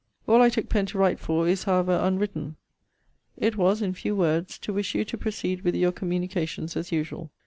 All I took pen to write for is however unwritten. It was, in few words, to wish you to proceed with your communications, as usual.